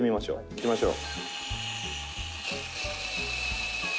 「いきましょう」